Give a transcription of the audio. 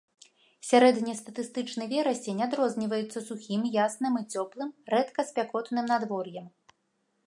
Сярэднестатыстычны верасень адрозніваецца сухім, ясным і цёплым, рэдка спякотным надвор'ем.